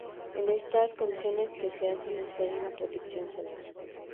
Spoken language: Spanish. Es en estas condiciones que se hace necesaria una protección solar.